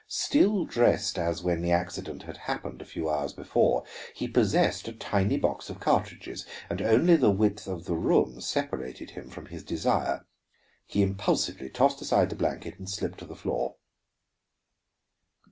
Still dressed as when the accident had happened a few hours before, he possessed a tiny box of cartridges, and only the width of the room separated him from his desire. He impulsively tossed aside the blanket and slipped to the floor.